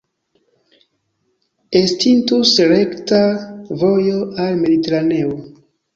Estintus rekta vojo al Mediteraneo.